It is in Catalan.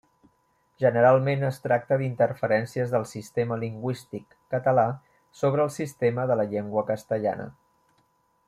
Generalment es tracta d'interferències del sistema lingüístic català sobre el sistema de la llengua castellana.